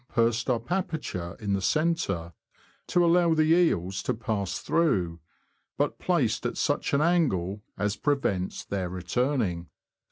pursed up aperture in the centre, to allow the eels to pass through, but placed at such an angle as prevents their returning.